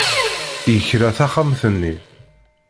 Yekra taxxamt-nni.